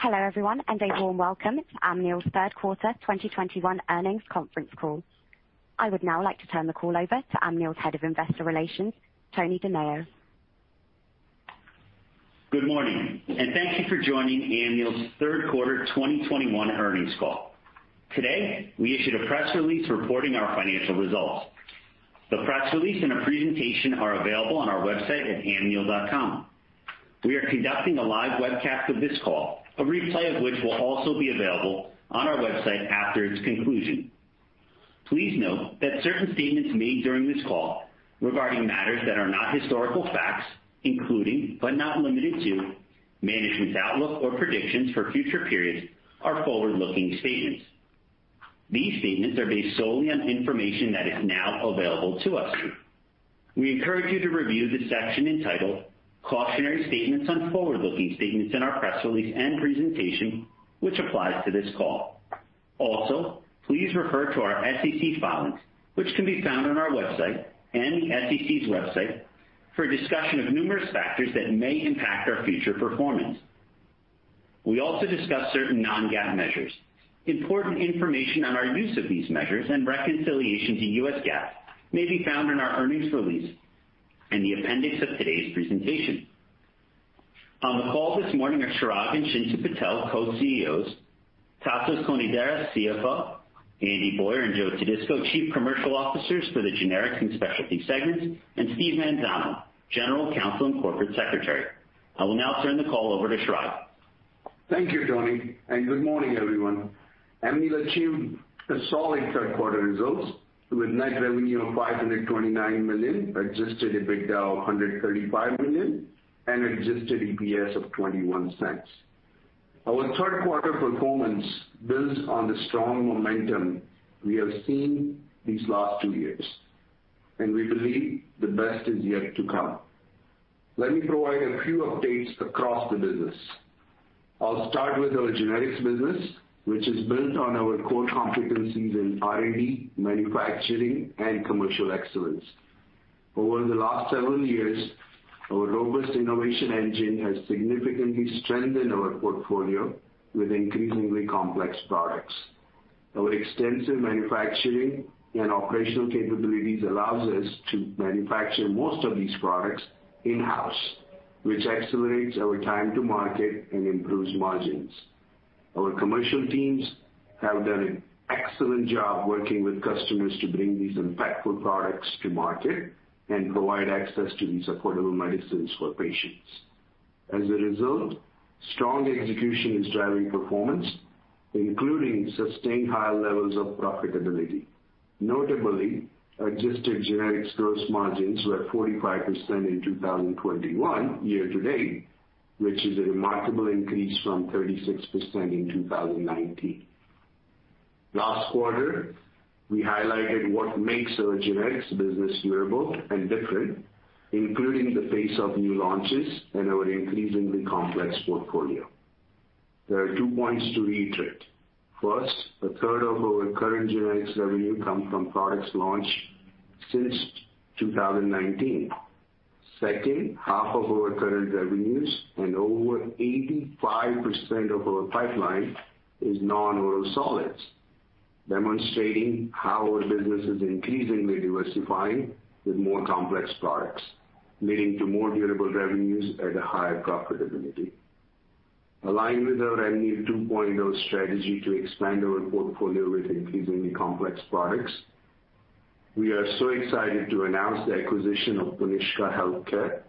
Hello, everyone, and a warm welcome to Amneal's Third Quarter 2021 Earnings Conference Call. I would now like to turn the call over to Amneal's Head of Investor Relations, Tony DiMeo. Good morning, and thank you for joining Amneal's third quarter 2021 earnings call. Today, we issued a press release reporting our financial results. The press release and a presentation are available on our website at amneal.com. We are conducting a live webcast of this call, a replay of which will also be available on our website after its conclusion. Please note that certain statements made during this call regarding matters that are not historical facts, including, but not limited to management's outlook or predictions for future periods, are forward-looking statements. These statements are based solely on information that is now available to us. We encourage you to review the section entitled Cautionary Statements on Forward-Looking Statements in our press release and presentation, which applies to this call. Please refer to our SEC filings, which can be found on our website and SEC's website for a discussion of numerous factors that may impact our future performance. We also discuss certain non-GAAP measures. Important information on our use of these measures and reconciliation to US GAAP may be found in our earnings release in the appendix of today's presentation. On the call this morning are Chirag and Chintu Patel, Co-CEOs, Tasos Konidaris, CFO, Andy Boyer and Joe Todisco, Chief Commercial Officers for the Generics and Specialty segments, and Steve Manzano, General Counsel and Corporate Secretary. I will now turn the call over to Chirag. Thank you, Tony, and good morning, everyone. Amneal achieved a solid third quarter results with net revenue of $529 million, Adjusted EBITDA of $135 million, and Adjusted EPS of $0.21. Our third quarter performance builds on the strong momentum we have seen these last two years, and we believe the best is yet to come. Let me provide a few updates across the business. I'll start with our generics business, which is built on our core competencies in R&D, manufacturing and commercial excellence. Over the last several years, our robust innovation engine has significantly strengthened our portfolio with increasingly complex products. Our extensive manufacturing and operational capabilities allows us to manufacture most of these products in-house, which accelerates our time to market and improves margins. Our commercial teams have done an excellent job working with customers to bring these impactful products to market and provide access to these affordable medicines for patients. As a result, strong execution is driving performance, including sustained higher levels of profitability. Notably, adjusted generics gross margins were at 45% in 2021 year to date, which is a remarkable increase from 36% in 2019. Last quarter, we highlighted what makes our generics business durable and different, including the pace of new launches and our increasingly complex portfolio. There are two points to reiterate. First, 1/3 of our current generics revenue come from products launched since 2019. Second half of our current revenues and over 85% of our pipeline is non-oral solids, demonstrating how our business is increasingly diversifying with more complex products, leading to more durable revenues at a higher profitability. Aligned with our Amneal 2.0 strategy to expand our portfolio with increasingly complex products, we are so excited to announce the acquisition of Puniska Healthcare,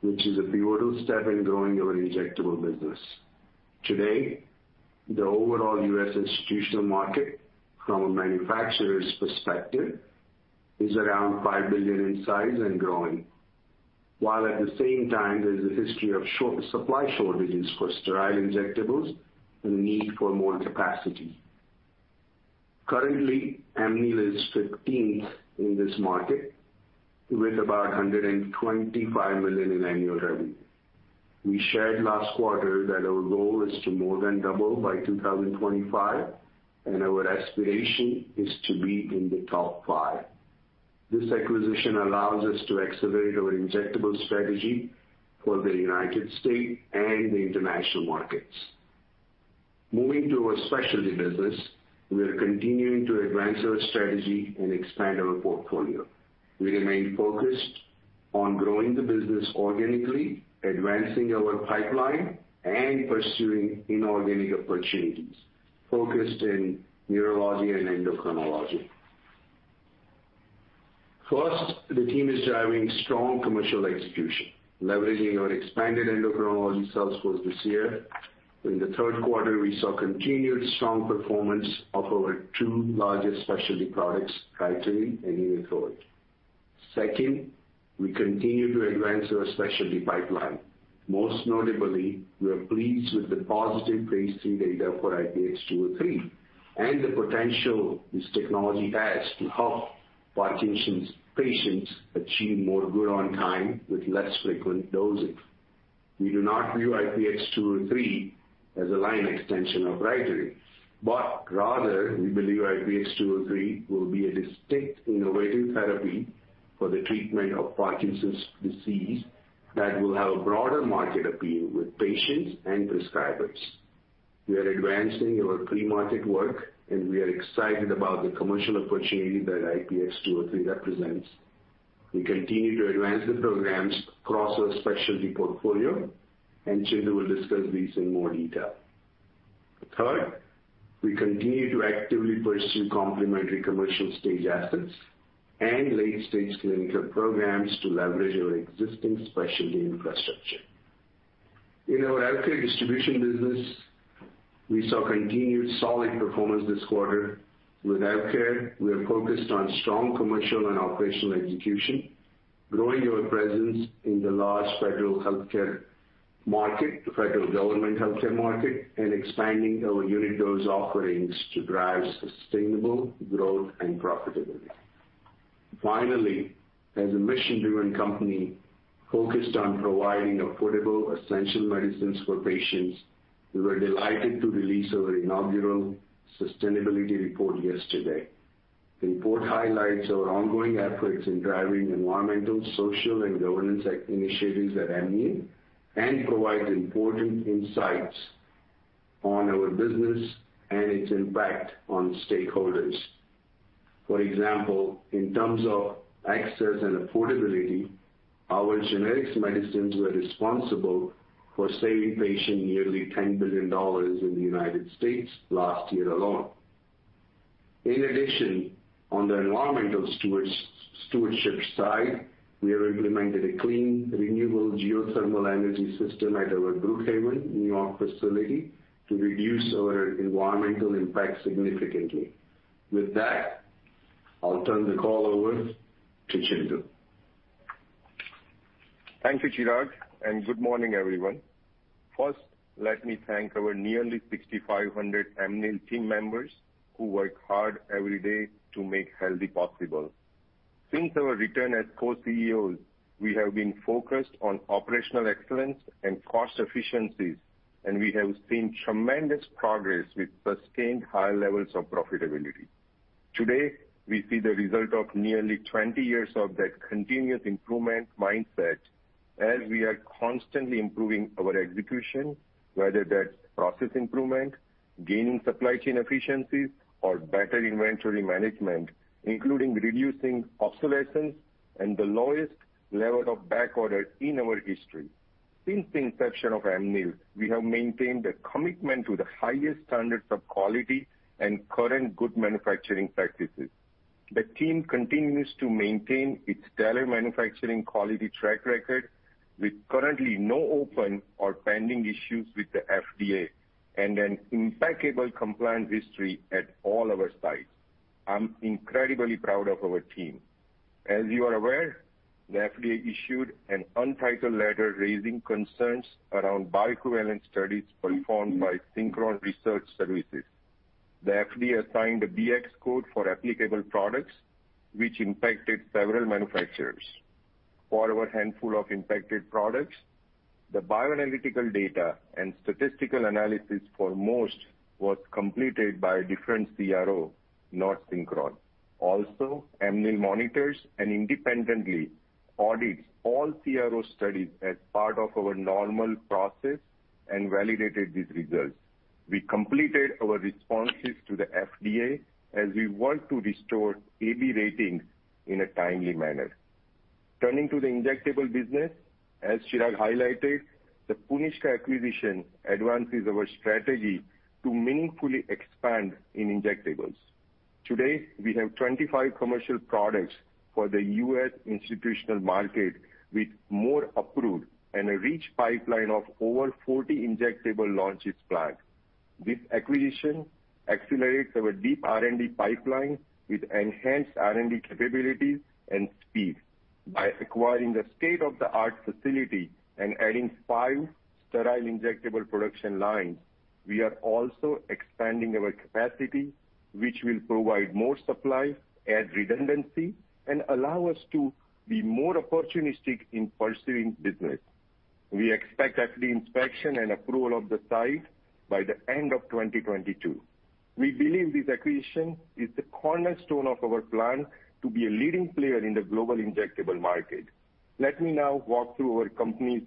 which is a pivotal step in growing our injectable business. Today, the overall U.S. institutional market from a manufacturer's perspective is around $5 billion in size and growing. While at the same time, there's a history of short supply shortages for sterile injectables and need for more capacity. Currently, Amneal is 15th in this market with about $125 million in annual revenue. We shared last quarter that our goal is to more than double by 2025, and our aspiration is to be in the top 5. This acquisition allows us to accelerate our injectable strategy for the United States and the international markets. Moving to our specialty business, we are continuing to advance our strategy and expand our portfolio. We remain focused on growing the business organically, advancing our pipeline, and pursuing inorganic opportunities focused in neurology and endocrinology. First, the team is driving strong commercial execution, leveraging our expanded endocrinology sales force this year. In the third quarter, we saw continued strong performance of our 2 largest specialty products, Rytary and Neupogen. Second, we continue to advance our specialty pipeline. Most notably, we are pleased with the positive phase III data for IPX-203 and the potential this technology has to help Parkinson's patients achieve more good on time with less frequent dosing. We do not view IPX-203 as a line extension of Rytary, but rather we believe IPX-203 will be a distinct innovative therapy for the treatment of Parkinson's disease that will have a broader market appeal with patients and prescribers. We are advancing our pre-market work, and we are excited about the commercial opportunity that IPX-203 represents. We continue to advance the programs across our specialty portfolio, and Chintu will discuss these in more detail. Third, we continue to actively pursue complementary commercial stage assets and late-stage clinical programs to leverage our existing specialty infrastructure. In our AvKARE distribution business, we saw continued solid performance this quarter. With AvKARE, we are focused on strong commercial and operational execution, growing our presence in the large federal healthcare market, the federal government healthcare market, and expanding our unit dose offerings to drive sustainable growth and profitability. Finally, as a mission-driven company focused on providing affordable essential medicines for patients, we were delighted to release our inaugural sustainability report yesterday. The report highlights our ongoing efforts in driving environmental, social and governance initiatives at Amneal and provides important insights on our business and its impact on stakeholders. For example, in terms of access and affordability, our generic medicines were responsible for saving patients nearly $10 billion in the U.S. last year alone. In addition, on the environmental stewardship side, we have implemented a clean renewable geothermal energy system at our Brookhaven, New York facility to reduce our environmental impact significantly. With that, I'll turn the call over to Chintu Patel. Thank you, Chirag, and good morning, everyone. First, let me thank our nearly 6,500 Amneal team members who work hard every day to make healthy possible. Since our return as co-CEOs, we have been focused on operational excellence and cost efficiencies, and we have seen tremendous progress with sustained high levels of profitability. Today, we see the result of nearly 20 years of that continuous improvement mindset as we are constantly improving our execution, whether that's process improvement, gaining supply chain efficiencies or better inventory management, including reducing obsolescence and the lowest level of back orders in our history. Since the inception of Amneal, we have maintained a commitment to the highest standards of quality and current good manufacturing practices. The team continues to maintain its stellar manufacturing quality track record with currently no open or pending issues with the FDA and an impeccable compliance history at all our sites. I'm incredibly proud of our team. As you are aware, the FDA issued an untitled letter raising concerns around bioequivalence studies performed by Synchron Research Services. The FDA assigned a BX code for applicable products, which impacted several manufacturers. For our handful of impacted products, the bioanalytical data and statistical analysis for most was completed by a different CRO, not Synchron. Also, Amneal monitors and independently audits all CRO studies as part of our normal process and validated these results. We completed our responses to the FDA as we want to restore AB ratings in a timely manner. Turning to the injectable business, as Chirag highlighted, the Puniska acquisition advances our strategy to meaningfully expand in injectables. Today, we have 25 commercial products for the U.S. institutional market with more approved and a rich pipeline of over 40 injectable launches planned. This acquisition accelerates our deep R&D pipeline with enhanced R&D capabilities and speed. By acquiring the state-of-the-art facility and adding 5 sterile injectable production lines, we are also expanding our capacity, which will provide more supply, add redundancy, and allow us to be more opportunistic in pursuing business. We expect FDA inspection and approval of the site by the end of 2022. We believe this acquisition is the cornerstone of our plan to be a leading player in the global injectable market. Let me now walk through our company's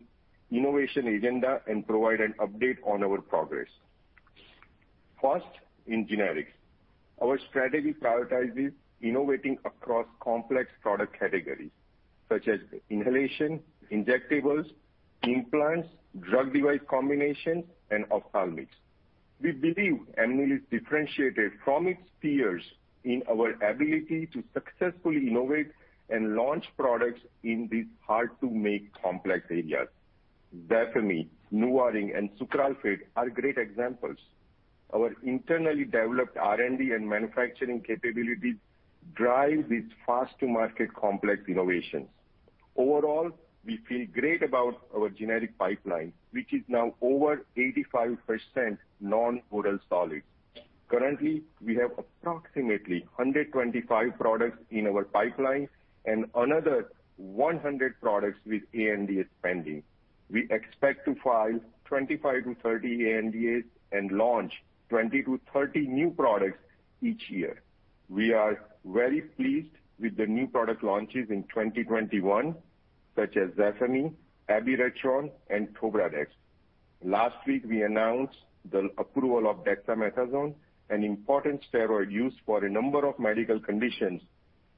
innovation agenda and provide an update on our progress. First, in generics. Our strategy prioritizes innovating across complex product categories such as inhalation, injectables, implants, drug device combinations, and ophthalmics. We believe Amneal is differentiated from its peers in our ability to successfully innovate and launch products in these hard-to-make complex areas. Zafemy, NuvaRing and sucralfate are great examples. Our internally developed R&D and manufacturing capabilities drive these fast-to-market complex innovations. Overall, we feel great about our generic pipeline, which is now over 85% non-oral solids. Currently, we have approximately 125 products in our pipeline and another 100 products with ANDAs pending. We expect to file 25-30 ANDAs and launch 20-30 new products each year. We are very pleased with the new product launches in 2021, such as Zafemy, abiraterone, and TobraDex. Last week, we announced the approval of dexamethasone, an important steroid used for a number of medical conditions,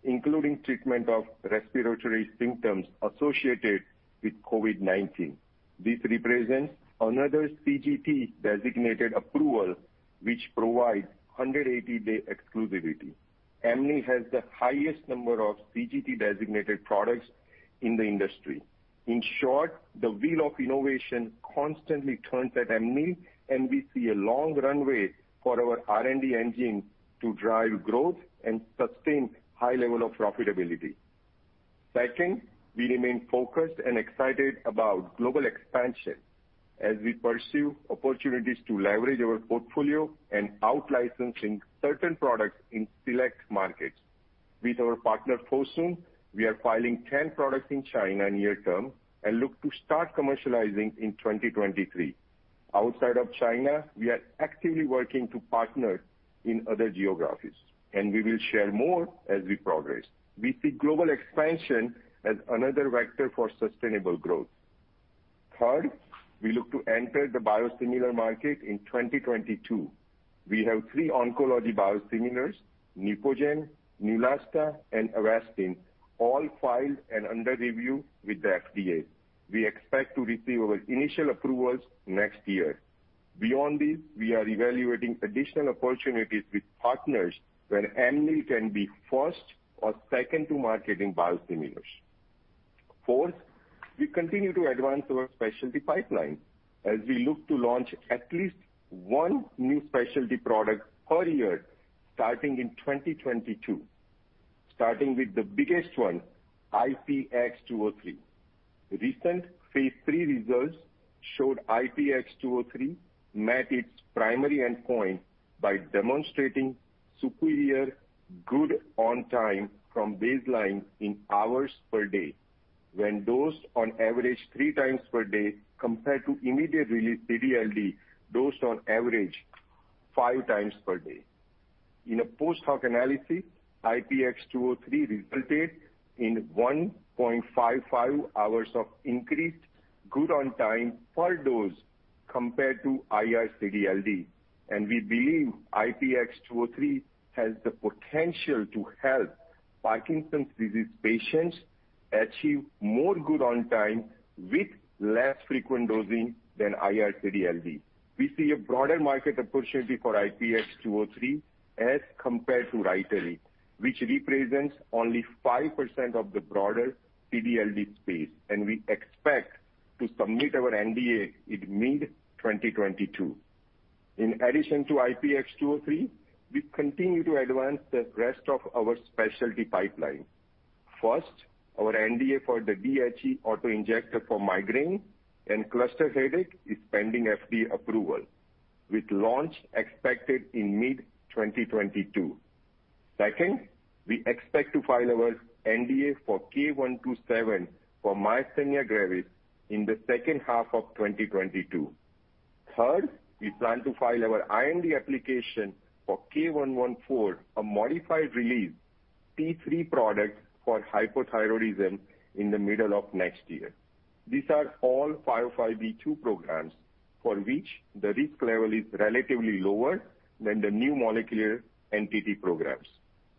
including treatment of respiratory symptoms associated with COVID-19. This represents another AB designated approval, which provides 180-day exclusivity. Amneal has the highest number of CGT designated products in the industry. In short, the wheel of innovation constantly turns at Amneal, and we see a long runway for our R&D engine to drive growth and sustain high level of profitability. Second, we remain focused and excited about global expansion as we pursue opportunities to leverage our portfolio and out-licensing certain products in select markets. With our partner Fosun, we are filing 10 products in China near term and look to start commercializing in 2023. Outside of China, we are actively working to partner in other geographies, and we will share more as we progress. We see global expansion as another vector for sustainable growth. Third, we look to enter the biosimilar market in 2022. We have 3 oncology biosimilars, Neupogen, Neulasta, and Avastin, all filed and under review with the FDA. We expect to receive our initial approvals next year. Beyond this, we are evaluating additional opportunities with partners where Amneal can be first or second to market in biosimilars. Fourth, we continue to advance our specialty pipeline as we look to launch at least one new specialty product per year starting in 2022. Starting with the biggest one, IPX-203. Recent phase III results showed IPX-203 met its primary endpoint by demonstrating superior good on time from baseline in hours per day when dosed on average 3 times per day compared to immediate-release CD/LD dosed on average 5 times per day. In a post-hoc analysis, IPX-203 resulted in 1.55 hours of increased good on time per dose compared to IR CD/LD. We believe IPX-203 has the potential to help Parkinson's disease patients achieve more good on time with less frequent dosing than IR CD/LD. We see a broader market opportunity for IPX-203 as compared to Rytary, which represents only 5% of the broader CD/LD space, and we expect to submit our NDA in mid-2022. In addition to IPX-203, we continue to advance the rest of our specialty pipeline. First, our NDA for the DHE autoinjector for migraine and cluster headache is pending FDA approval, with launch expected in mid-2022. Second, we expect to file our NDA for K-127 for myasthenia gravis in the second half of 2022. Third, we plan to file our IND application for K-114, a modified release T3 product for hypothyroidism, in the middle of next year. These are all 505(b)(2) programs for which the risk level is relatively lower than the new molecular entity programs.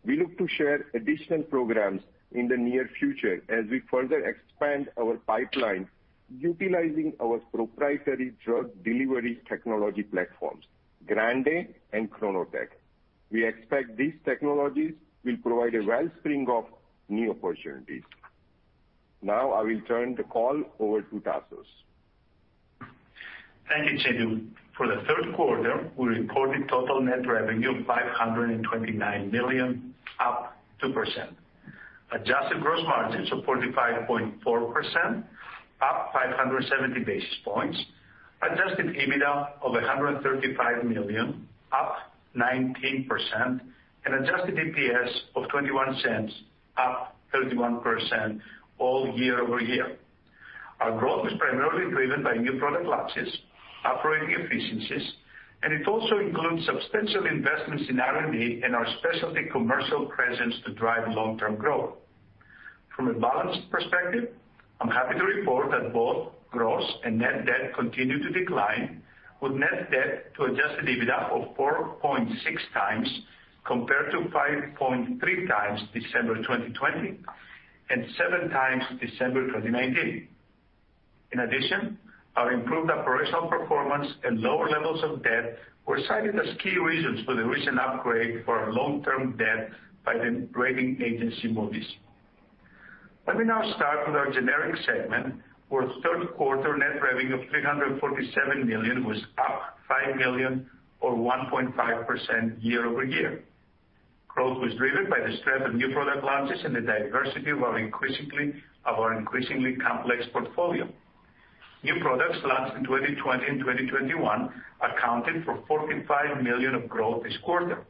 We look to share additional programs in the near future as we further expand our pipeline utilizing our proprietary drug delivery technology platforms, GRANDE and KRONOTEC. We expect these technologies will provide a wellspring of new opportunities. Now I will turn the call over to Tasos. Thank you, Chintu. For the third quarter, we reported total net revenue of $529 million, up 2%. Adjusted gross margins of 45.4%, up 570 basis points. Adjusted EBITDA of $135 million, up 19%. Adjusted EPS of $0.21, up 31% year-over-year. Our growth was primarily driven by new product launches, operating efficiencies, and it also includes substantial investments in R&D and our specialty commercial presence to drive long-term growth. From a balance perspective, I'm happy to report that both gross and net debt continue to decline, with net debt to Adjusted EBITDA of 4.6x compared to 5.3x December 2020 and 7x December 2019. In addition, our improved operational performance and lower levels of debt were cited as key reasons for the recent upgrade for our long-term debt by the rating agency Moody's. Let me now start with our generics segment, where third quarter net revenue of $347 million was up $5 million or 1.5% year-over-year. Growth was driven by the strength of new product launches and the diversity of our increasingly complex portfolio. New products launched in 2020 and 2021 accounted for $45 million of growth this quarter.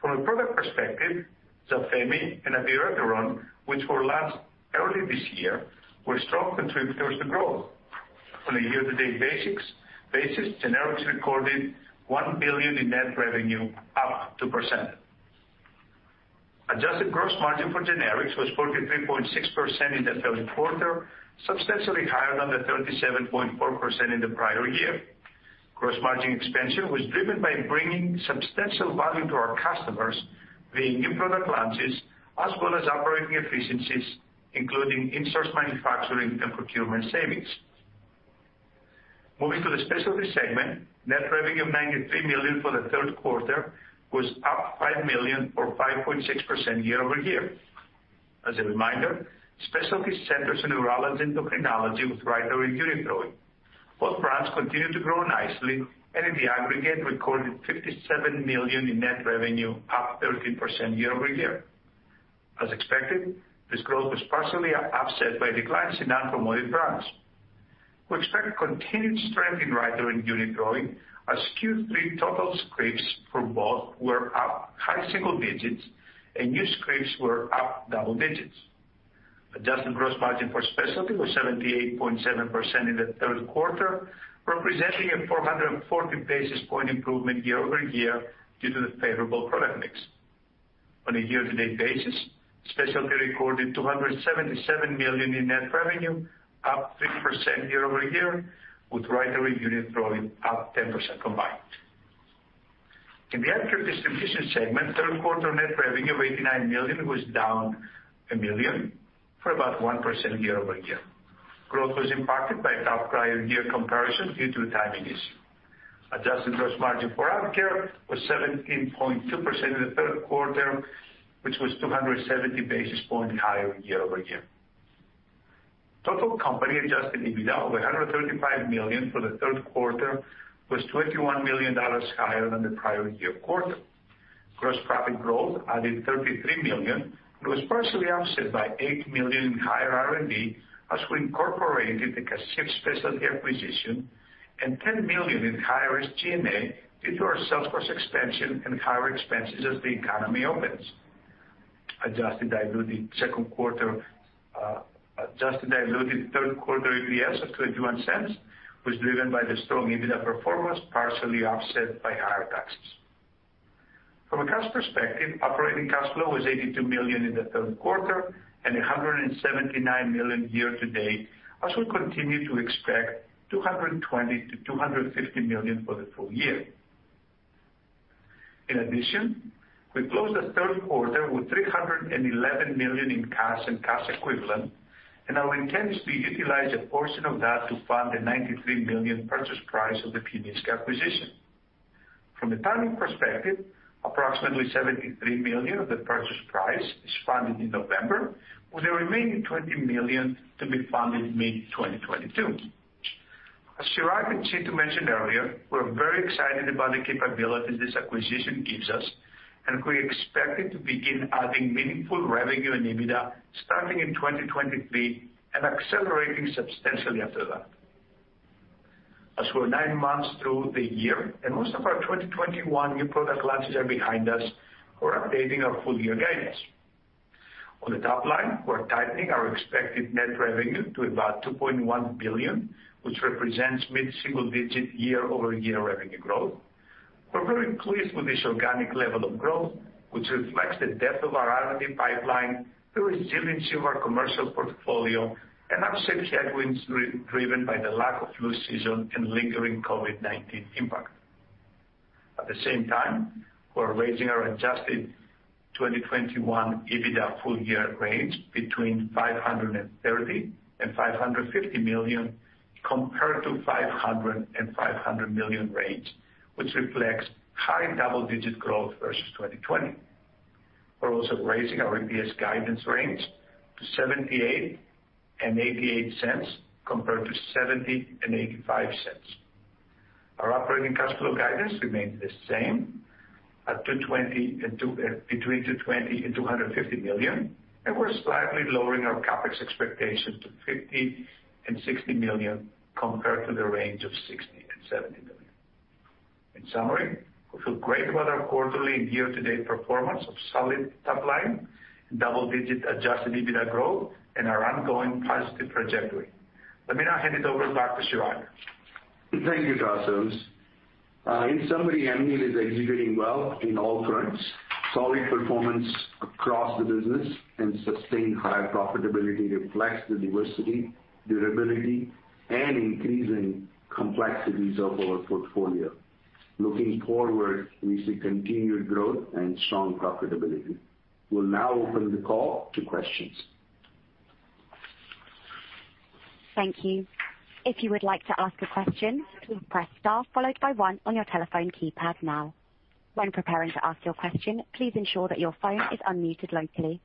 From a product perspective, Zafemy and abiraterone, which were launched early this year, were strong contributors to growth. On a year-to-date basis, generics recorded $1 billion in net revenue, up 2%. Adjusted gross margin for generics was 43.6% in the third quarter, substantially higher than the 37.4% in the prior year. Gross margin expansion was driven by bringing substantial value to our customers via new product launches, as well as operating efficiencies, including in-source manufacturing and procurement savings. Moving to the specialty segment, net revenue of $93 million for the third quarter was up $5 million or 5.6% year-over-year. As a reminder, specialty centers in neurology endocrinology with Rytary and Unithroid. Both brands continue to grow nicely, and in the aggregate, recorded $57 million in net revenue, up 13% year-over-year. As expected, this growth was partially offset by declines in unpromoted brands. We expect continued strength in Rytary and Unithroid as Q3 total scripts for both were up high single digits and new scripts were up double digits. Adjusted gross margin for Specialty was 78.7% in the third quarter, representing a 440 basis point improvement year-over-year due to the favorable product mix. On a year-to-date basis, Specialty recorded $277 million in net revenue, up 3% year-over-year, with Rytary and Unithroid up 10% combined. In the other distribution segment, third quarter net revenue of $89 million was down $1 million for about 1% year-over-year. Growth was impacted by a tough prior year comparison due to a timing issue. Adjusted gross margin for other was 17.2% in the third quarter, which was 270 basis points higher year-over-year. Total company Adjusted EBITDA of $135 million for the third quarter was $21 million higher than the prior year quarter. Gross profit growth added $33 million and was partially offset by $8 million in higher R&D as we incorporated the Kashiv specialty acquisition and $10 million in higher SG&A due to our sales force expansion and higher expenses as the economy opens. Adjusted diluted third quarter EPS of $0.21 was driven by the strong EBITDA performance, partially offset by higher taxes. From a cash perspective, operating cash flow was $82 million in the third quarter and $179 million year to date, as we continue to expect $220 million-$250 million for the full year. In addition, we closed the third quarter with $311 million in cash and cash equivalents, and our intent is to utilize a portion of that to fund the $93 million purchase price of the Puniska acquisition. From a timing perspective, approximately $73 million of the purchase price is funded in November, with the remaining $20 million to be funded mid-2022. As Chirag and Chintu mentioned earlier, we're very excited about the capabilities this acquisition gives us, and we expect it to begin adding meaningful revenue and EBITDA starting in 2023 and accelerating substantially after that. As we're 9 months through the year and most of our 2021 new product launches are behind us, we're updating our full year guidance. On the top line, we're tightening our expected net revenue to about $2.1 billion, which represents mid-single-digit year-over-year revenue growth. We're very pleased with this organic level of growth, which reflects the depth of our R&D pipeline, the resilience of our commercial portfolio, and offset headwinds driven by the lack of flu season and lingering COVID-19 impact. At the same time, we're raising our adjusted 2021 EBITDA full year range between $530 million and $550 million, compared to $450 million-$500 million range, which reflects high double-digit growth versus 2020. We're also raising our EPS guidance range to $0.78-$0.88 compared to $0.70-$0.85. Our operating cash flow guidance remains the same between $220 million and $250 million, and we're slightly lowering our CapEx expectations to $50 million-$60 million compared to the range of $60 million-$70 million. In summary, we feel great about our quarterly and year-to-date performance of solid top line and double-digit Adjusted EBITDA growth and our ongoing positive trajectory. Let me now hand it over back to Chirag. Thank you, Tasos. In summary, Amneal is executing well in all fronts. Solid performance across the business and sustained high profitability reflects the diversity, durability, and increasing complexities of our portfolio. Looking forward, we see continued growth and strong profitability. We'll now open the call to questions. Thank you. If you would like to ask a question, please press star followed by one on your telephone keypad now. When preparing to ask your question, please ensure that your phone is unmuted locally.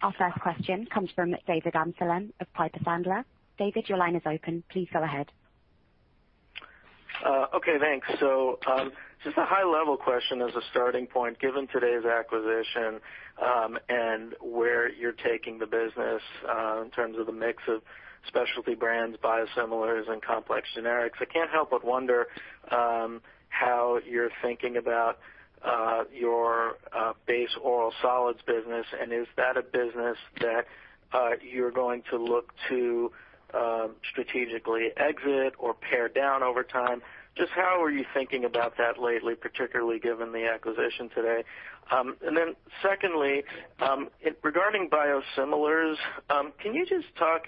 Our first question comes from David Amsellem of Piper Sandler. David, your line is open. Please go ahead. Okay, thanks. Just a high-level question as a starting point. Given today's acquisition, and where you're taking the business, in terms of the mix of specialty brands, biosimilars, and complex generics, I can't help but wonder, how you're thinking about, your, base oral solids business and is that a business that, you're going to look to, strategically exit or pare down over time? Just how are you thinking about that lately, particularly given the acquisition today? Secondly, regarding biosimilars, can you just talk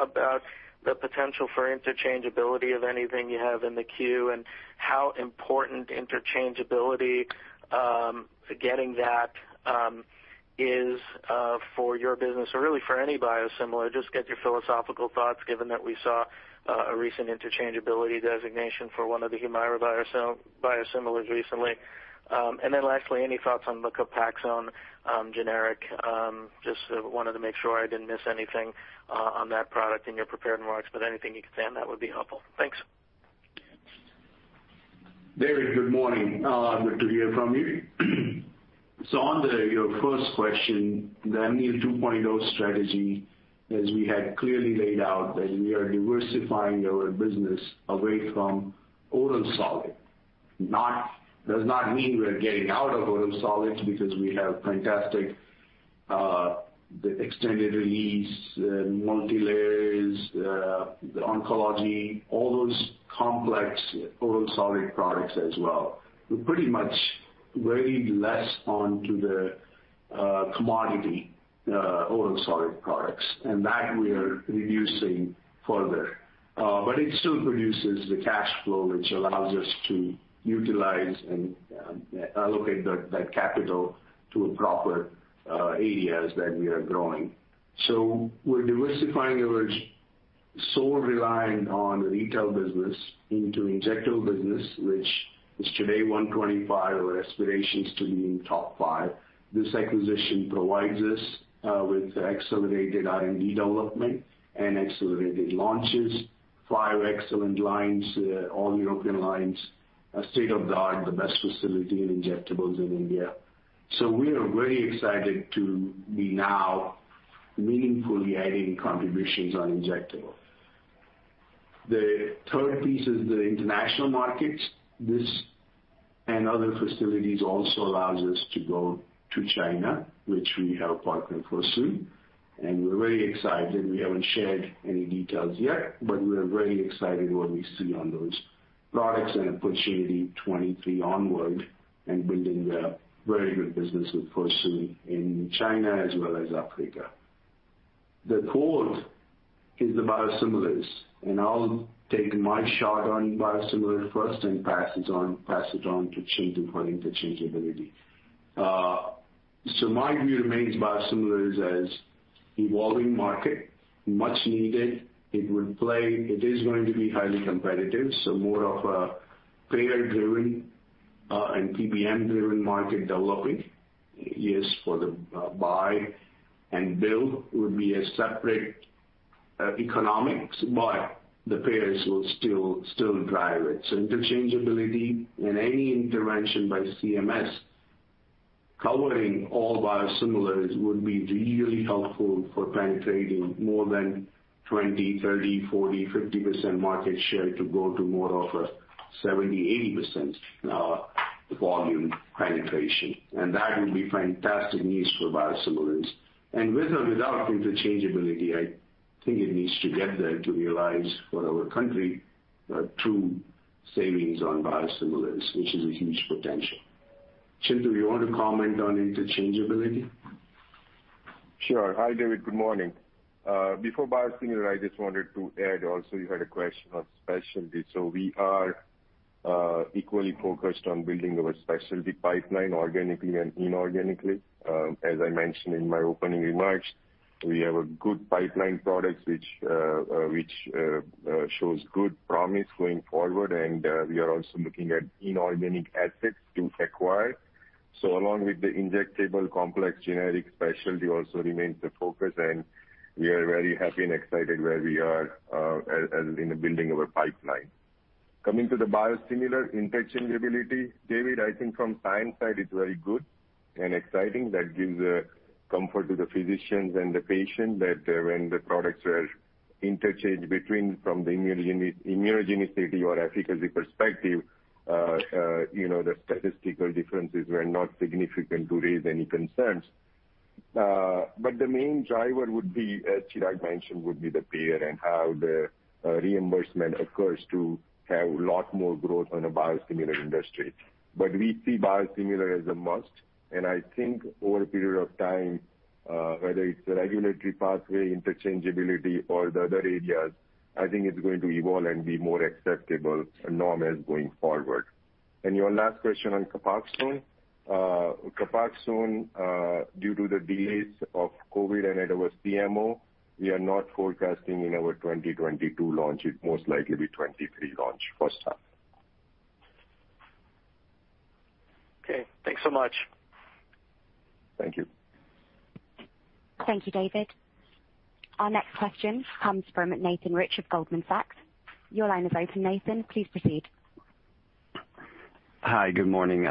about the potential for interchangeability of anything you have in the queue and how important interchangeability, getting that, is, for your business or really for any biosimilar? Just get your philosophical thoughts given that we saw, a recent interchangeability designation for one of the Humira biosimilars recently. Lastly, any thoughts on the Copaxone generic. Just wanted to make sure I didn't miss anything on that product in your prepared remarks, but anything you can say on that would be helpful. Thanks. David, good morning. Good to hear from you. On your first question, the Amneal 2.0 strategy, as we had clearly laid out, that we are diversifying our business away from oral solid. It does not mean we're getting out of oral solids because we have fantastic, the extended release, the multilayers, the oncology, all those complex oral solid products as well. We're pretty much very less into the commodity oral solid products, and that we are reducing further. It still produces the cash flow, which allows us to utilize and allocate that capital to proper areas that we are growing. We're diversifying our solely relying on the retail business into injectable business, which is today $125, our aspiration is to be in top five. This acquisition provides us with accelerated R&D development and accelerated launches, five excellent lines, all European lines, a state-of-the-art, the best facility in injectables in India. We are very excited to be now meaningfully adding contributions on injectable. The third piece is the international markets. This and other facilities also allows us to go to China, which we have partnered with Fosun, and we're very excited. We haven't shared any details yet, but we're very excited what we see on those products and opportunity 2023 onward and building a very good business with Fosun in China as well as Africa. The fourth is the biosimilars, and I'll take my shot on biosimilar first and pass it on to Chintu for interchangeability. My view remains biosimilars as evolving market, much needed. It is going to be highly competitive, so more of a payer-driven and PBM-driven market developing. Yes, for the buy and build would be a separate economics, but the payers will still drive it. Interchangeability and any intervention by CMS covering all biosimilars would be really helpful for penetrating more than 20, 30, 40, 50% market share to go to more of a 70, 80% volume penetration. That would be fantastic news for biosimilars. With or without interchangeability, I think it needs to get there to realize for our country true savings on biosimilars, which is a huge potential. Chintu, you want to comment on interchangeability? Sure. Hi, David. Good morning. Before biosimilar, I just wanted to add also you had a question on specialty. We are equally focused on building our specialty pipeline organically and inorganically. As I mentioned in my opening remarks, we have a good pipeline products which shows good promise going forward, and we are also looking at inorganic assets to acquire. Along with the injectable complex generic specialty also remains the focus, and we are very happy and excited where we are, as in the building our pipeline. Coming to the biosimilar interchangeability, David, I think from science side it's very good and exciting. That gives a comfort to the physicians and the patient that, when the products are interchanged from the immunogenicity or efficacy perspective, you know, the statistical differences were not significant to raise any concerns. The main driver would be, as Chirag mentioned, would be the payer and how the reimbursement occurs to have a lot more growth on a biosimilar industry. We see biosimilar as a must. I think over a period of time, whether it's regulatory pathway interchangeability or the other areas, I think it's going to evolve and be more acceptable norm as going forward. Your last question on Copaxone. Copaxone, due to the delays of COVID and our CMO, we are not forecasting in our 2022 launch. It most likely be 2023 launch first half. Okay. Thanks so much. Thank you. Thank you, David. Our next question comes from Nathan Rich of Goldman Sachs. Your line is open, Nathan. Please proceed. Hi, good morning.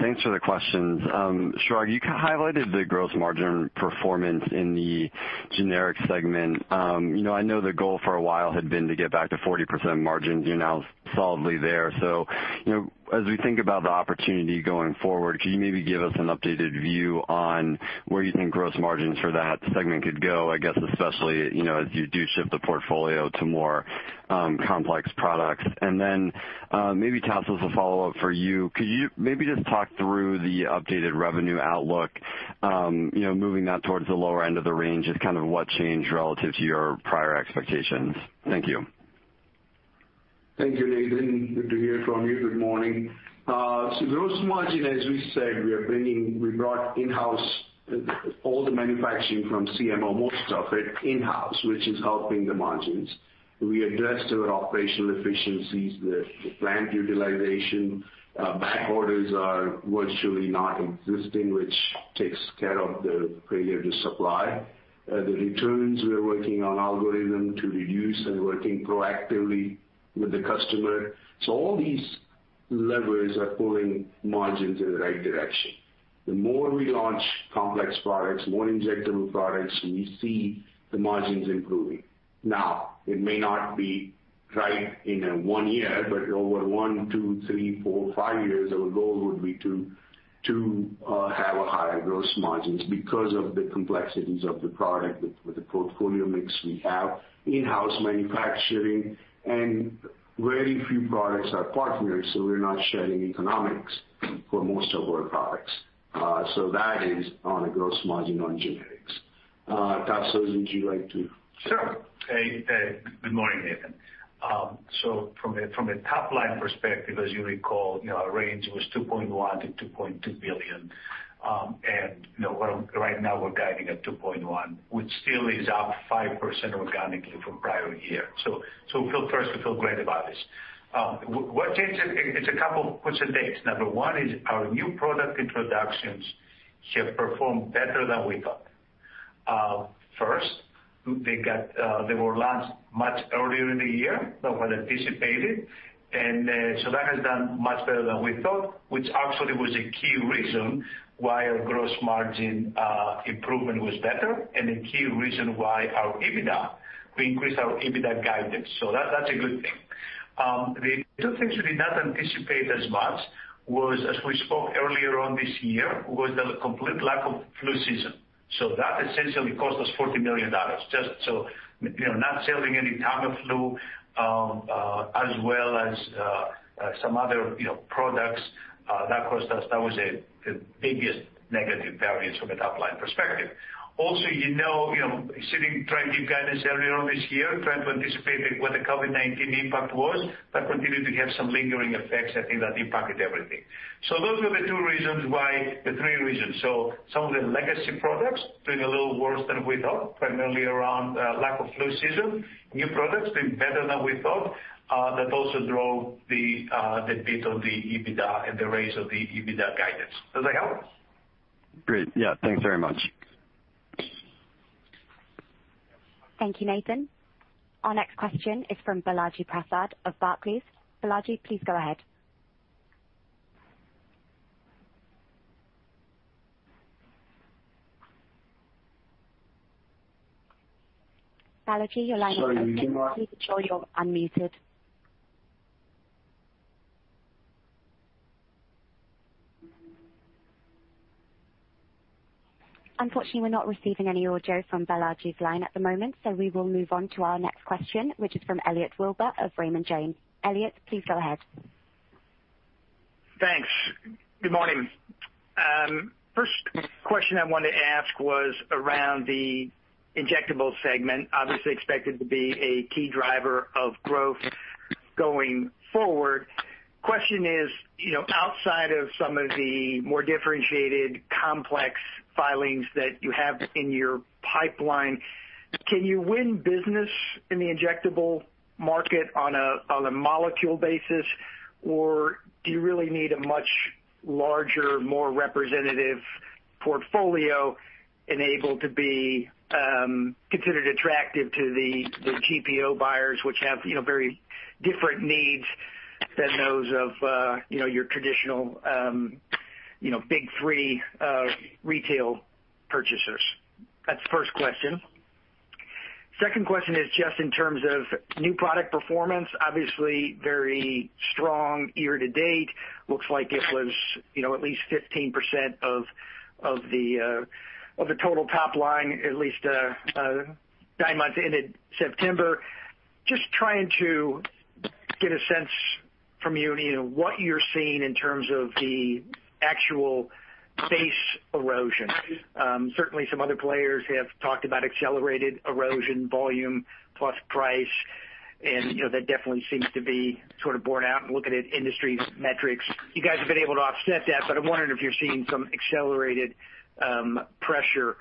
Thanks for the questions. Chirag, you highlighted the gross margin performance in the generic segment. You know, I know the goal for a while had been to get back to 40% margin. You're now solidly there. You know, as we think about the opportunity going forward, can you maybe give us an updated view on where you think gross margins for that segment could go? I guess especially, you know, as you do shift the portfolio to more, complex products. Maybe Tasos, a follow-up for you. Could you maybe just talk through the updated revenue outlook, you know, moving that towards the lower end of the range and kind of what changed relative to your prior expectations? Thank you. Thank you, Nathan. Good to hear from you. Good morning. Gross margin, as we said, we brought in-house all the manufacturing from CMO, most of it in-house, which is helping the margins. We addressed our operational efficiencies, the plant utilization. Back orders are virtually not existing, which takes care of the failure to supply. The returns, we are working on algorithm to reduce and working proactively with the customer. All these levers are pulling margins in the right direction. The more we launch complex products, more injectable products, we see the margins improving. Now, it may not be right in 1 year, but over 1, 2, 3, 4, 5 years, our goal would be to have higher gross margins because of the complexities of the product with the portfolio mix we have, in-house manufacturing, and very few products are partnered, so we're not sharing economics for most of our products. That is on gross margin on generics. Tasos, would you like to? Sure. Hey, good morning, Nathan. From a top-line perspective, as you recall, you know, our range was $2.1 billion-$2.2 billion. You know, right now we're guiding at $2.1 billion, which still is up 5% organically from prior year. First, we feel great about this. What changed it's a couple puts and takes. Number one is our new product introductions have performed better than we thought. They were launched much earlier in the year than we anticipated. That has done much better than we thought, which actually was a key reason why our gross margin improvement was better and a key reason why our EBITDA, we increased our EBITDA guidance. That, that's a good thing. The two things we did not anticipate as much, as we spoke earlier on this year, was the complete lack of flu season. That essentially cost us $40 million. Just so you know, not selling any Tamiflu, as well as some other, you know, products, that cost us. That was the biggest negative variance from a top-line perspective. Also, you know, sitting trying to give guidance earlier on this year, trying to anticipate what the COVID-19 impact was, that continued to have some lingering effects. I think that impacted everything. Those were the two reasons why, the three reasons. Some of the legacy products doing a little worse than we thought, primarily around lack of flu season. New products doing better than we thought, that also drove the beat of the EBITDA and the raise of the EBITDA guidance. Does that help? Great. Yeah. Thanks very much. Thank you, Nathan. Our next question is from Balaji Prasad of Barclays. Balaji, please go ahead. Balaji, your line is open. Please ensure you're unmuted. Unfortunately, we're not receiving any audio from Balaji's line at the moment, so we will move on to our next question, which is from Elliot Wilbur of Raymond James. Elliot, please go ahead. Thanks. Good morning. First question I wanted to ask was around the injectables segment, obviously expected to be a key driver of growth going forward. Question is, you know, outside of some of the more differentiated complex filings that you have in your pipeline, can you win business in the injectable market on a molecule basis, or do you really need a much larger, more representative portfolio enabled to be considered attractive to the GPO buyers which have, you know, very different needs than those of, you know, your traditional big three retail purchasers? That's the first question. Second question is just in terms of new product performance, obviously very strong year to date. Looks like it was, you know, at least 15% of the total top line, at least nine months ended September. Just trying to get a sense from you know, what you're seeing in terms of the actual base erosion. Certainly some other players have talked about accelerated erosion volume plus price and, you know, that definitely seems to be sort of borne out in looking at industry metrics. You guys have been able to offset that, but I'm wondering if you're seeing some accelerated pressure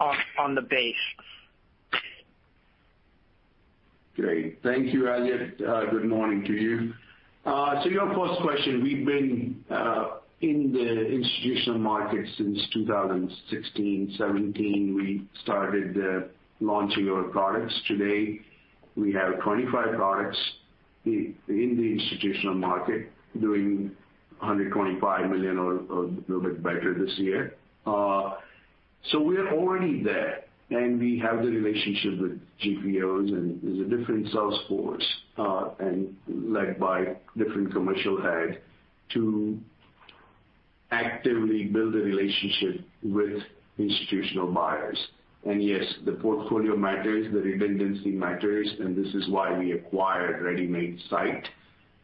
on the base. Great. Thank you, Elliot. Good morning to you. So your first question, we've been in the institutional market since 2016. 2017, we started launching our products. Today, we have 25 products in the institutional market doing $125 million or a little bit better this year. We are already there, and we have the relationship with GPOs, and there's a different sales force and led by different commercial head to actively build a relationship with institutional buyers. Yes, the portfolio matters, the redundancy matters, and this is why we acquired ready-made site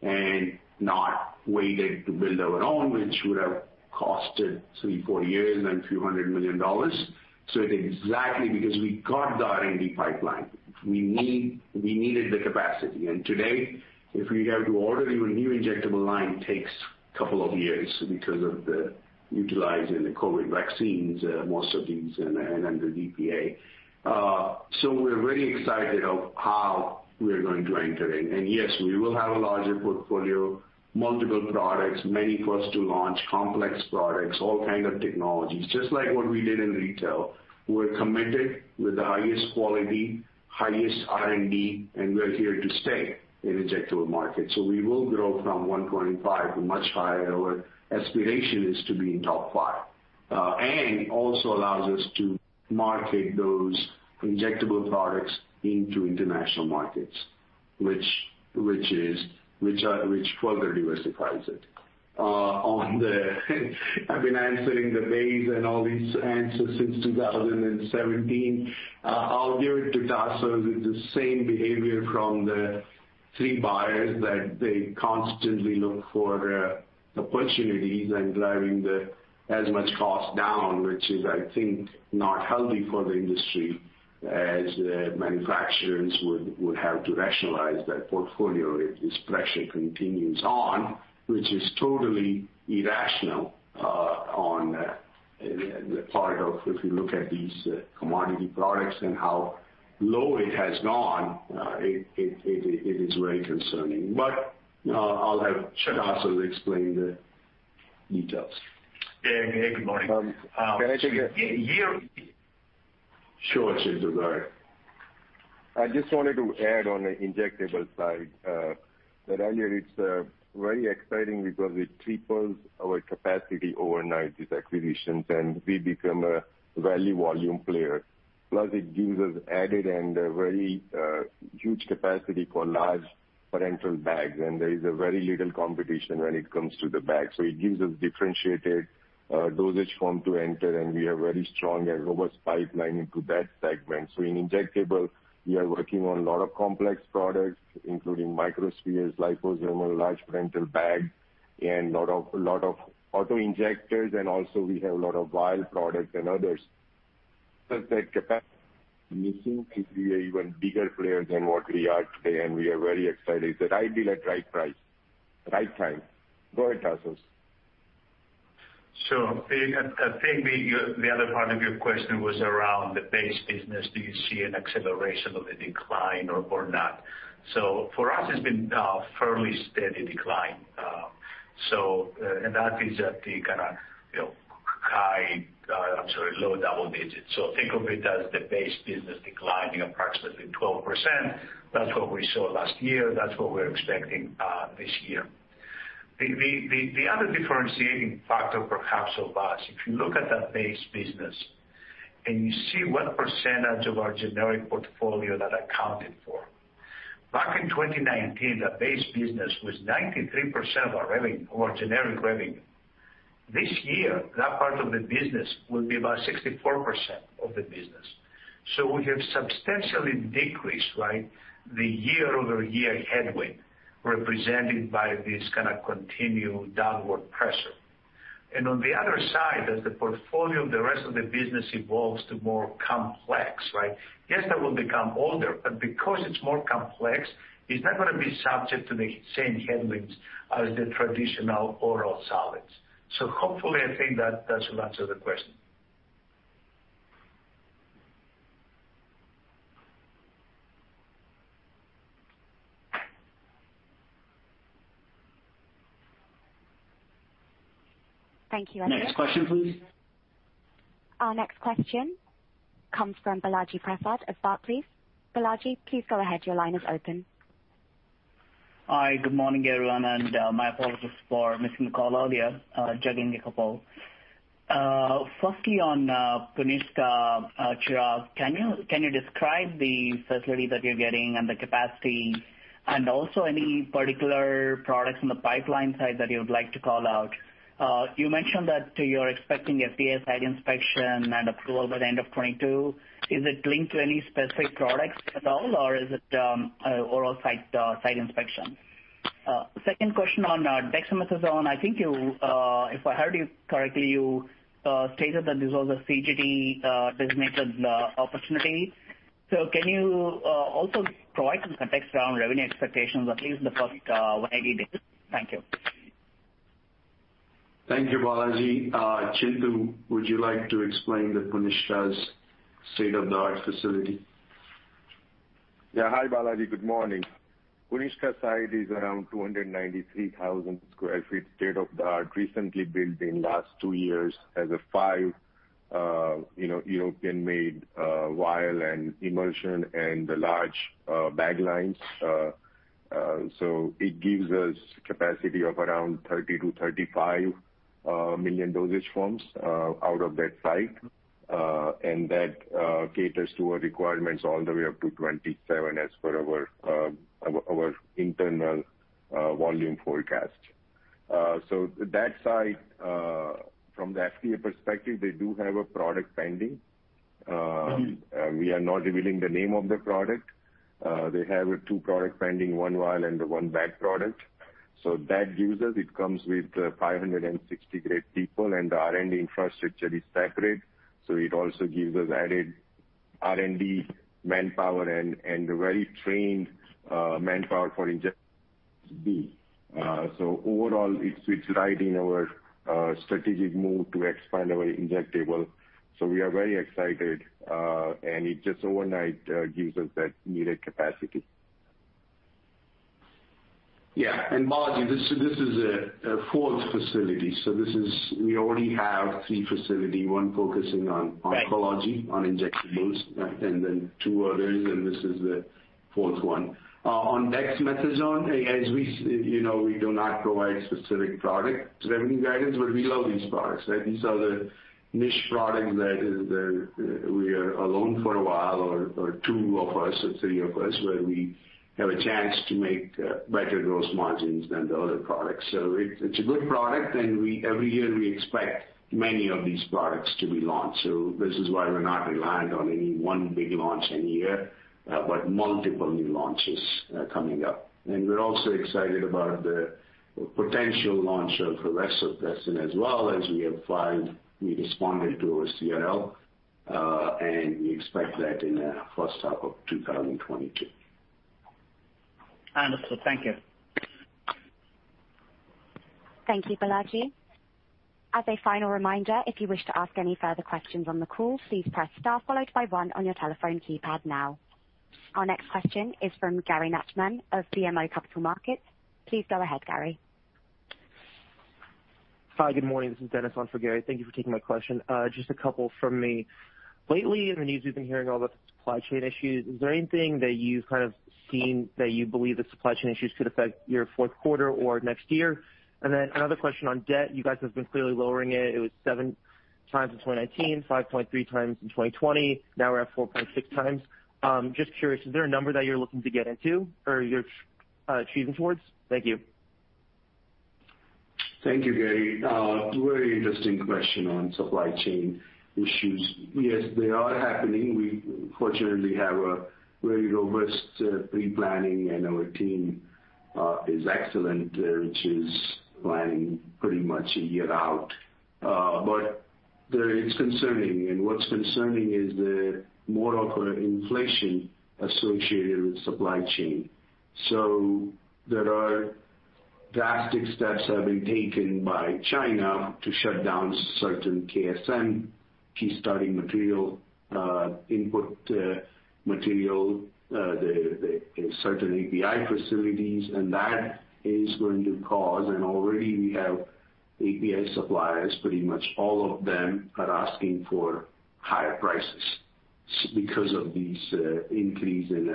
and not waited to build our own, which would have costed 3-4 years and $ a few hundred million. It's exactly because we got the R&D pipeline, we needed the capacity. Today, if we have to order even a new injectable line, it takes a couple of years because of the utilization of the COVID-19 vaccines, most of these and under DPA. We're very excited about how we are going to enter in. Yes, we will have a larger portfolio, multiple products, many first to launch complex products, all kind of technologies, just like what we did in retail. We're committed to the highest quality, highest R&D, and we're here to stay in injectable market. We will grow from $125 to much higher. Our aspiration is to be in top five. It also allows us to market those injectable products into international markets, which further diversifies it. On that, I've been answering these questions since 2017. I'll give it to Tasos with the same behavior from the three buyers that they constantly look for opportunities and driving as much cost down, which is, I think, not healthy for the industry as the manufacturers would have to rationalize that portfolio if this pressure continues on, which is totally irrational on the part of if you look at these commodity products and how low it has gone, it is very concerning. I'll have Tasos explain the details. Yeah, good morning. Can I take a- Year... Sure, Chintu. I just wanted to add on the injectable side, that earlier it's very exciting because it triples our capacity overnight, these acquisitions, and we become a value volume player. Plus it gives us added and a very huge capacity for large parenteral bags, and there is very little competition when it comes to the bags. It gives us differentiated dosage form to enter, and we are very strong and robust pipeline into that segment. In injectable, we are working on a lot of complex products, including microspheres, liposomal, large parenteral bags, and lot of auto-injectors, and also we have a lot of vial products and others. The capacity we seem to be an even bigger player than what we are today, and we are very excited. It's the right deal at right price, right time. Go ahead, Tasos. I think the other part of your question was around the base business. Do you see an acceleration of the decline or not? For us, it's been a fairly steady decline, and that is at the kind of low double digits. Think of it as the base business declining approximately 12%. That's what we saw last year. That's what we're expecting this year. The other differentiating factor perhaps of us, if you look at that base business and you see what percentage of our generic portfolio that accounted for. Back in 2019, the base business was 93% of our generic revenue. This year, that part of the business will be about 64% of the business. We have substantially decreased, right? The year-over-year headwind represented by this kind of continued downward pressure. On the other side, as the portfolio of the rest of the business evolves to more complex, right? Yes, that will become older, but because it's more complex, it's not going to be subject to the same headwinds as the traditional oral solids. Hopefully, I think that should answer the question. Thank you. Next question, please. Our next question comes from Balaji Prasad of Barclays. Balaji, please go ahead. Your line is open. Hi, good morning, everyone. My apologies for missing the call earlier. Firstly, on Puniska, Chirag, can you describe the facility that you're getting and the capacity and also any particular products in the pipeline side that you would like to call out? You mentioned that you're expecting FDA site inspection and approval by the end of 2022. Is it linked to any specific products at all, or is it oral site inspection? Second question on dexamethasone. I think if I heard you correctly, you stated that this was a CGT designated opportunity. So can you also provide some context around revenue expectations at least in the first YTD? Thank you. Thank you, Balaji. Chintu, would you like to explain Puniska's state-of-the-art facility? Yeah. Hi, Balaji. Good morning. Puniska site is around 293,000 sq ft state-of-the-art, recently built in last 2 years as a five- European-made vial and infusion and the large bag lines. It gives us capacity of around 30-35 million dosage forms out of that site. That caters to our requirements all the way up to 27 as per our internal volume forecast. That site, from the FDA perspective, they do have a product pending. We are not revealing the name of the product. They have two products pending, one vial and one bag product. That gives us, it comes with 560 great people, and the R&D infrastructure is separate. It also gives us added R&D manpower and very trained manpower for injectables. Overall, it's right in our strategic move to expand our injectables. We are very excited, and it just overnight gives us that needed capacity. Balaji, this is a fourth facility. This is. We already have three facility, one focusing on oncology, on injectables, and then two others, and this is the fourth one. On dexamethasone, you know, we do not provide specific product revenue guidance, but we love these products, right? These are the niche products that is, we are alone for a while, or two of us or three of us, where we have a chance to make better gross margins than the other products. It's a good product, and every year we expect many of these products to be launched. This is why we're not reliant on any one big launch in a year, but multiple new launches coming up. We're also excited about the potential launch of CREXONT as well as we have filed. We responded to our CRL, and we expect that in the first half of 2022. Understood. Thank you. Thank you, Balaji. As a final reminder, if you wish to ask any further questions on the call, please press star followed by one on your telephone keypad now. Our next question is from Gary Nachman of BMO Capital Markets. Please go ahead, Gary. Hi, good morning. This is Dennis on for Gary. Thank you for taking my question. Just a couple from me. Lately, in the news, we've been hearing all the supply chain issues. Is there anything that you've kind of seen that you believe the supply chain issues could affect your fourth quarter or next year? Another question on debt. You guys have been clearly lowering it. It was 7x in 2019, 5.3x in 2020. Now we're at 4.6x. Just curious, is there a number that you're looking to get into or you're achieving towards? Thank you. Thank you, Gary. Very interesting question on supply chain issues. Yes, they are happening. We fortunately have a very robust pre-planning and our team is excellent, which is planning pretty much a year out. There is concerning, and what's concerning is more of an inflation associated with supply chain. There have been drastic steps taken by China to shut down certain KSM, key starting material, input material, certain API facilities, and that is going to cause, and already we have API suppliers, pretty much all of them are asking for higher prices because of these increases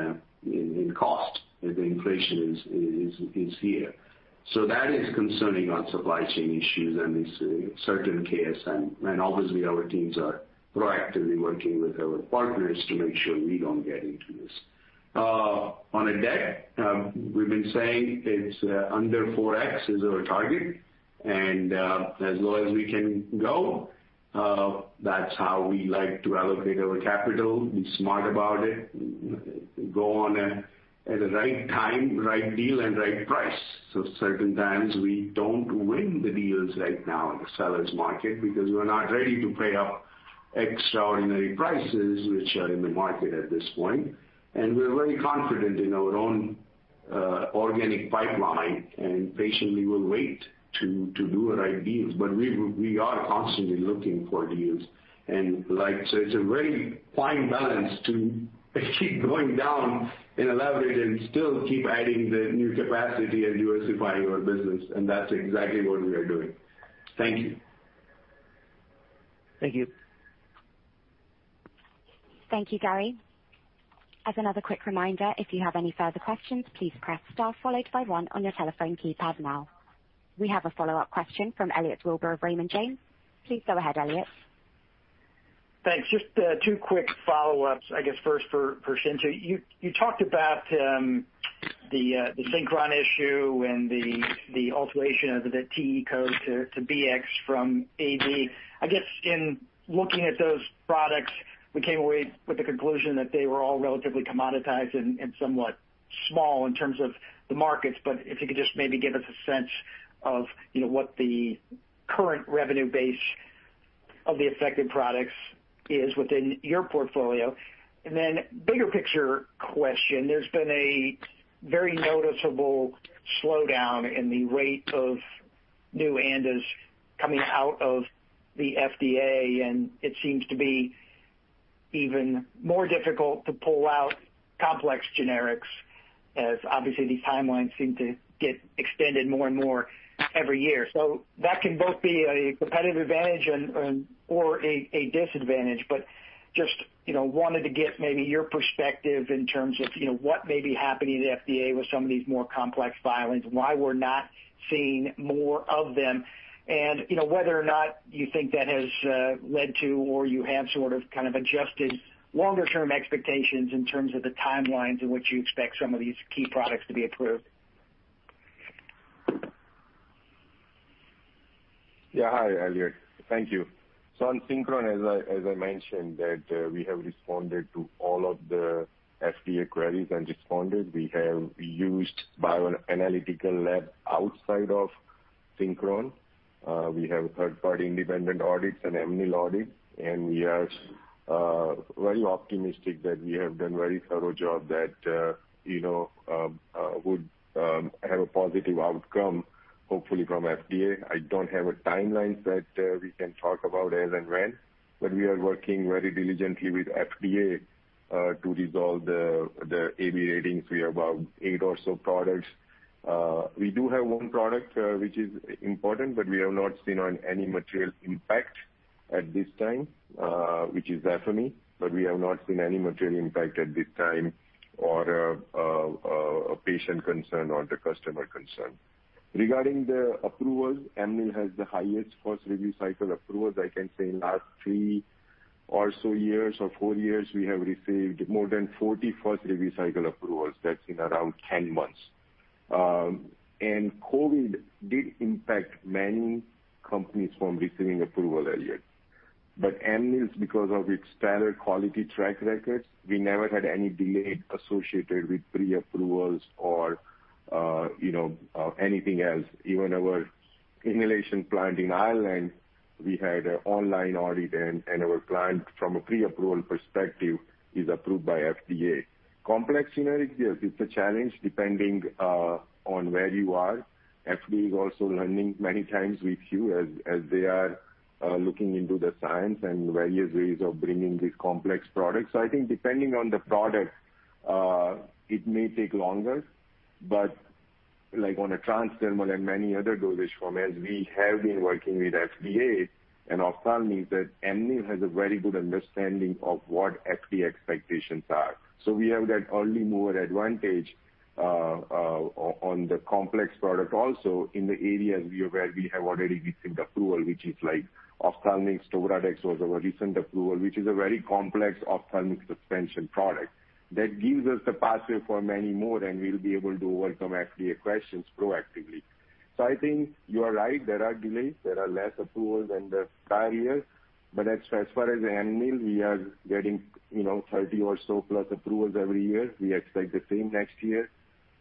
in cost. The inflation is here. That is concerning on supply chain issues and this certain KSM. Obviously our teams are proactively working with our partners to make sure we don't get into this. On debt, we've been saying it's under 4x is our target. As low as we can go, that's how we like to allocate our capital, be smart about it, at the right time, right deal, and right price. At certain times we don't win the deals right now in a seller's market because we're not ready to pay up extraordinary prices which are in the market at this point. We're very confident in our own organic pipeline and patiently will wait to do the right deals. We are constantly looking for deals and like It's a very fine balance to keep going down in a leverage and still keep adding the new capacity and U.S.-ifying our business, and that's exactly what we are doing. Thank you. Thank you. Thank you, Gary. As another quick reminder, if you have any further questions, please press star followed by one on your telephone keypad now. We have a follow-up question from Elliot Wilbur of Raymond James. Please go ahead, Elliot. Thanks. Just two quick follow-ups, I guess first for Chintu. You talked about the Synchron issue and the alteration of the TE code to BX from AB. I guess in looking at those products, we came away with the conclusion that they were all relatively commoditized and somewhat small in terms of the markets. If you could just maybe give us a sense of, you know, what the current revenue base of the affected products is within your portfolio. Then bigger picture question, there's been a very noticeable slowdown in the rate of new ANDAs coming out of the FDA, and it seems to be even more difficult to pull out complex generics as obviously these timelines seem to get extended more and more every year. That can both be a competitive advantage and or a disadvantage, but just, you know, wanted to get maybe your perspective in terms of, you know, what may be happening at the FDA with some of these more complex filings, why we're not seeing more of them, and, you know, whether or not you think that has led to or you have sort of kind of adjusted longer-term expectations in terms of the timelines in which you expect some of these key products to be approved. Yeah. Hi, Elliot. Thank you. On Synchron, as I mentioned, we have responded to all of the FDA queries. We have used bioanalytical lab outside of Synchron. We have third-party independent audits and Amneal audit, and we are very optimistic that we have done a very thorough job that you know would have a positive outcome, hopefully from FDA. I don't have a timeline that we can talk about as and when, but we are working very diligently with FDA to resolve the AB ratings. We have about eight or so products. We do have one product which is important, but we have not seen any material impact at this time, which isYuvafem. We have not seen any material impact at this time or a patient concern or the customer concern. Regarding the approval, Amneal has the highest first review cycle approval. I can say in the last three or so years or four years, we have received more than 40 first review cycle approvals. That's in around 10 months. COVID did impact many companies from receiving approval, Elliot. Amneal's because of its standard quality track records, we never had any delay associated with pre-approvals or, you know, anything else. Even our inhalation plant in Ireland, we had an online audit and our plant from a pre-approval perspective is approved by FDA. Complex generic, yes, it's a challenge depending on where you are. FDA is also learning many times with us looking into the science and various ways of bringing these complex products. I think depending on the product, it may take longer. Like on a transdermal and many other dosage formats, we have been working with FDA on ophthalmics that Amneal has a very good understanding of what FDA expectations are. We have that early mover advantage on the complex product also in the areas we have already received approval, which is like ophthalmic TobraDex was a recent approval, which is a very complex ophthalmic suspension product. That gives us the pathway for many more, and we'll be able to overcome FDA questions proactively. I think you are right. There are delays. There are less approvals than the prior years. As far as Amneal, we are getting, you know, 30 or so plus approvals every year. We expect the same next year.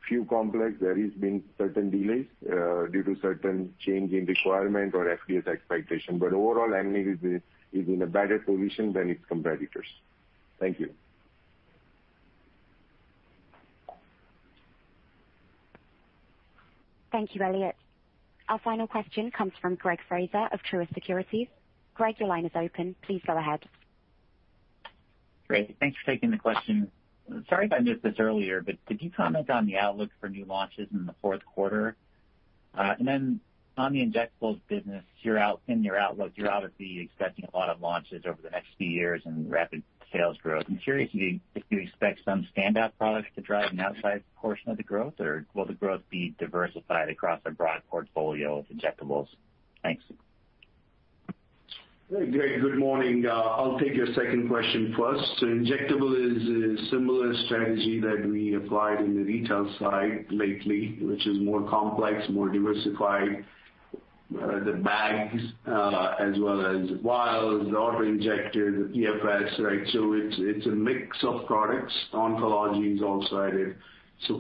A few complex, there has been certain delays due to certain change in requirement or FDA's expectation. Overall, Amneal is in a better position than its competitors. Thank you. Thank you, Elliot. Our final question comes from Greg Fraser of Truist Securities. Greg, your line is open. Please go ahead. Great. Thanks for taking the question. Sorry if I missed this earlier, but could you comment on the outlook for new launches in the fourth quarter? On the injectables business, in your outlook, you're obviously expecting a lot of launches over the next few years and rapid sales growth. I'm curious if you expect some standout products to drive an outsized portion of the growth, or will the growth be diversified across a broad portfolio of injectables? Thanks. Hey, Greg. Good morning. I'll take your second question first. Injectable is a similar strategy that we applied in the retail side lately, which is more complex, more diversified, the bags, as well as vials, auto-injectors, PFS, right? It's a mix of products. Oncology is also added.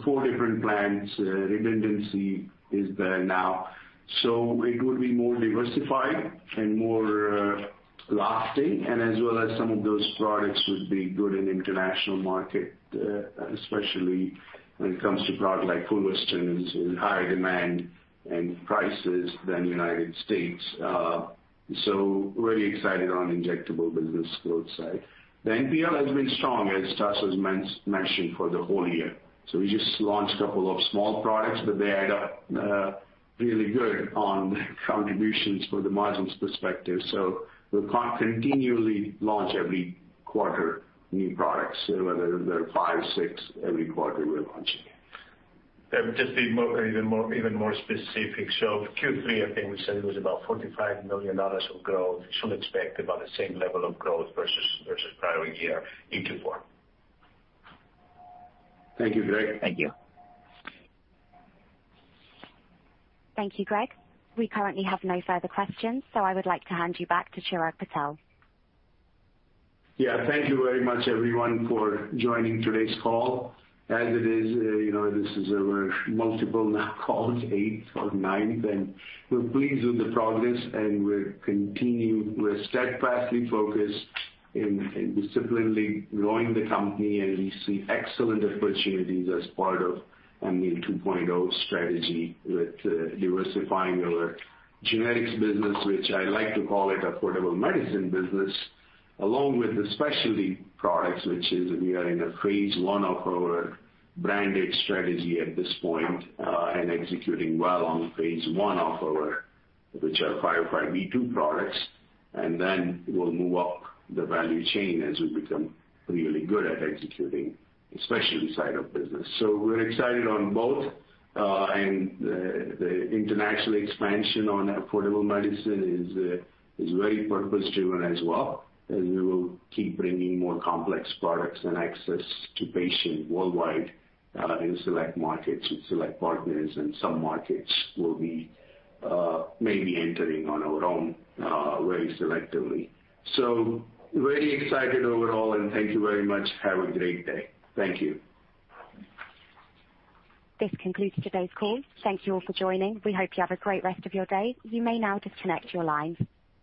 Four different plants, redundancy is there now. It would be more diversified and more lasting, and as well as some of those products would be good in international market, especially when it comes to product like Fulvestrant, is in higher demand and prices than United States. Really excited on injectable business growth side. The NPI has been strong, as Tasos mentioned for the whole year. We just launched a couple of small products, but they add up, really good on contributions for the margins perspective. We'll continually launch new products every quarter, whether they're 5, 6 every quarter we're launching. Just be even more specific. Q3, I think we said it was about $45 million of growth. Should expect about the same level of growth versus prior year in Q4. Thank you, Greg. Thank you. Thank you, Greg. We currently have no further questions, so I would like to hand you back to Chirag Patel. Yeah. Thank you very much, everyone, for joining today's call. As it is, you know, this is our eighth or ninth, and we're pleased with the progress, and we're steadfastly focused in disciplinedly growing the company, and we see excellent opportunities as part of Amneal 2.0 strategy with diversifying our generics business, which I like to call it affordable medicine business, along with the specialty products, which we are in a phase I of our branded strategy at this point, and executing well on phase I of our 505(b)(2) products. We'll move up the value chain as we become really good at executing specialty side of business. We're excited on both, and the international expansion on affordable medicine is very purpose driven as well, and we will keep bringing more complex products and access to patients worldwide, in select markets with select partners, and some markets will be maybe entering on our own, very selectively. Very excited overall, and thank you very much. Have a great day. Thank you. This concludes today's call. Thank you all for joining. We hope you have a great rest of your day. You may now disconnect your lines.